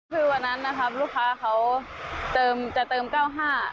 คือวันนั้นนะครับลูกค้าเขาเติมจะเติมเก้าห้า